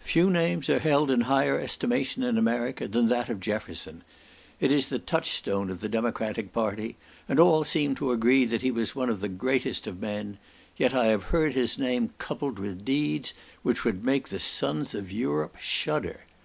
Few names are held in higher estimation in America, than that of Jefferson; it is the touchstone of the democratic party, and all seem to agree that he was one of the greatest of men; yet I have heard his name coupled with deeds which would make the sons of Europe shudder.